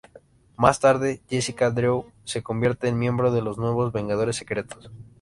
Más tarde, Jessica Drew se convierte en miembro de los nuevos Vengadores Secretos.